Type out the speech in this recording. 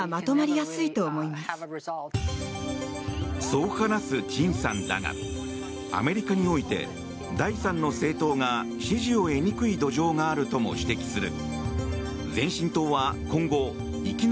そう話すチンさんだがアメリカにおいて第３の政党が支持を得にくい土壌があるとも指摘する。